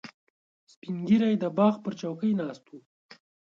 سپین ږیری د باغ پر چوکۍ ناست و.